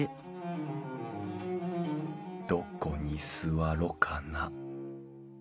どこに座ろかな。